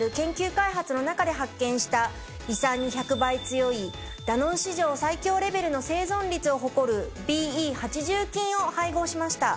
した胃酸に１００倍強いダノン史上最強レベルの生存率を誇るＢＥ８０菌を配合しました。